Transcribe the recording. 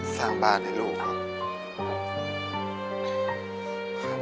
สร้างบ้านให้ลูกครับ